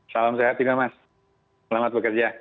salam sehat juga mas selamat bekerja